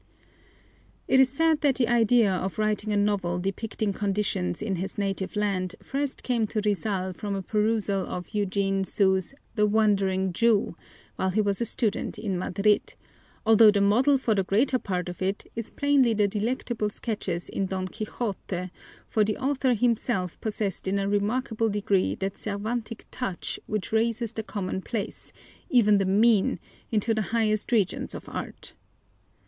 It is said that the idea of writing a novel depicting conditions in his native land first came to Rizal from a perusal of Eugene Sue's The Wandering Jew, while he was a student in Madrid, although the model for the greater part of it is plainly the delectable sketches in Don Quixote, for the author himself possessed in a remarkable degree that Cervantic touch which raises the commonplace, even the mean, into the highest regions of art.